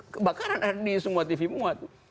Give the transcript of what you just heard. kebakaran ada di semua tv muat